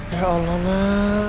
ya allah nak